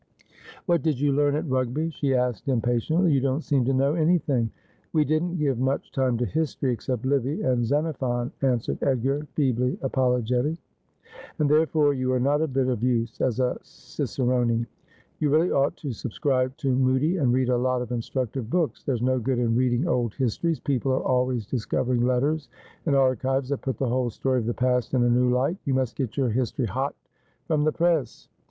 'What did you learn at Rugby?' she asked impatiently. ' You don't seem to know anything.' ' We didn't give much time to history, except Livy and Xenophon,' answered Edgar, feebly apologetic. ' And therefore you are not a bit of use as a cicerone. You really ought to subscribe to Mudie and read a lot of instructive books. There's no good in reading old histories ; people are always discovering letters and archives that put the whole story of the past in a new light. You must get your history hot from the press.'